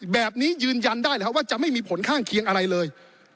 แบบนี้ยืนยันได้เลยครับว่าจะไม่มีผลข้างเคียงอะไรเลย